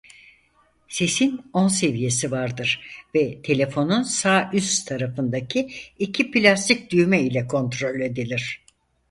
Sesin on seviyesi vardır ve telefonun sağ üst tarafındaki iki plastik düğme ile kontrol edilir.